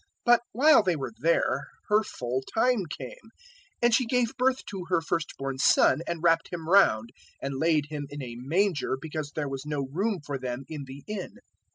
002:006 But while they were there, her full time came, 002:007 and she gave birth to her first born son, and wrapped Him round, and laid Him in a manger, because there was no room for them in the inn.